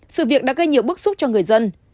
sự việc đã gây nhiều bức xúc cho người dân